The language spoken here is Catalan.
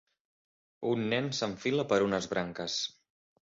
Un nen s'enfila per unes branques.